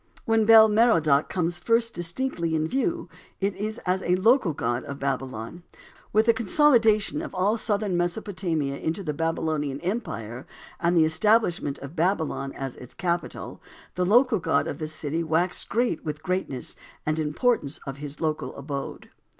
When Bel Merodach comes first distinctly in view it is as a local god of Babylon. With the consolidation of all southern Mesopotamia into the Babylonian empire, and the establishment of Babylon as its capital, the local god of this city waxed great with the greatness and importance of his local abode.